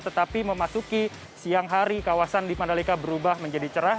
tetapi memasuki siang hari kawasan di mandalika berubah menjadi cerah